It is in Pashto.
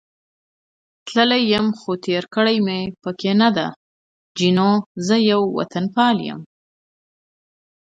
تللی یم، خو تېر کړې مې پکې نه ده، جینو: زه یو وطنپال یم.